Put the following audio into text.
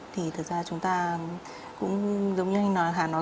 thì thực ra chúng ta cũng giống như anh hà nói